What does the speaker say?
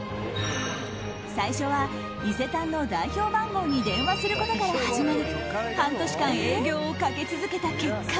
最初は伊勢丹の代表番号に電話することから始まり半年間営業をかけ続けた結果